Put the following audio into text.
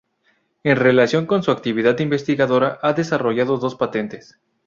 En relación con su actividad investigadora ha desarrollado dos patentes.